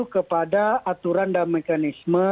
kepada aturan dan mekanisme